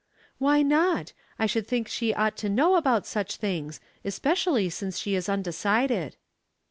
" Why not ? I should think she ought to know about such things, especially since she is undecided."